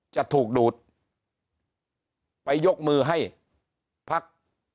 จะถูกดูดไปยกมือให้พัก